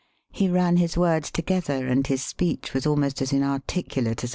He ran his words together, and his speech was almost as inarticulate as a growl.